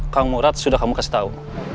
kang murat sudah kamu kasih tahu